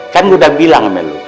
kan udah bilang sama lu